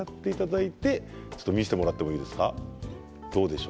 見せてもらっていいですか。